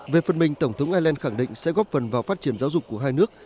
về phần mình tổng thống ireland khẳng định sẽ góp phần vào phát triển giáo dục của hai nước